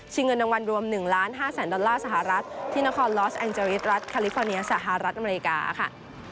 เงินรางวัลรวม๑ล้าน๕แสนดอลลาร์สหรัฐที่นครลอสแองเจริสรัฐคาลิฟอร์เนียสหรัฐอเมริกาค่ะ